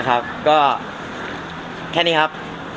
ก็แค่นี้ครับ